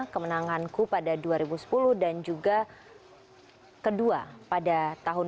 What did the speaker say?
kemenanganku pada dua ribu sepuluh dan juga kedua pada tahun dua ribu